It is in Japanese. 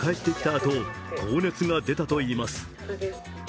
あと高熱が出たといいます。